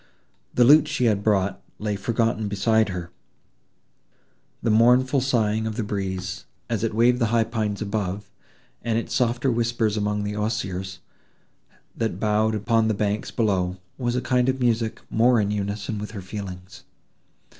The lute she had brought lay forgotten beside her; the mournful sighing of the breeze, as it waved the high pines above, and its softer whispers among the osiers, that bowed upon the banks below, was a kind of music more in unison with her feelings.